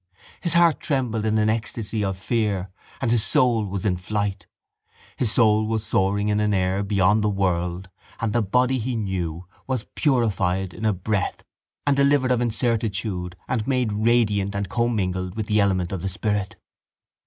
His heart trembled in an ecstasy of fear and his soul was in flight. His soul was soaring in an air beyond the world and the body he knew was purified in a breath and delivered of incertitude and made radiant and commingled with the element of the spirit.